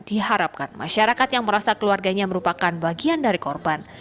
diharapkan masyarakat yang merasa keluarganya merupakan bagian dari korban